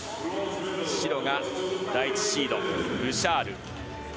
白が第１シード、ブシャール。